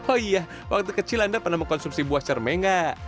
oh iya waktu kecil anda pernah mengkonsumsi buah cermai nggak